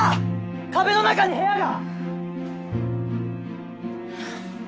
壁の中に部屋が！